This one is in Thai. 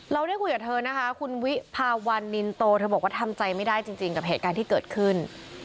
เราได้คุยกับเธอนะคะคุณวิภาวันนินโตเธอบอกว่าทำใจไม่ได้จริงกับเหตุการณ์ที่เกิดขึ้น